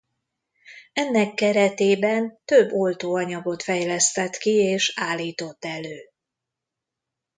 Ennek keretében több oltóanyagot fejlesztett ki és állított elő.